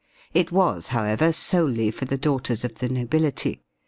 It was, however, solely for the daughters of the nobility.